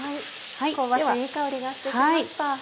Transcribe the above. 香ばしいいい香りがして来ました。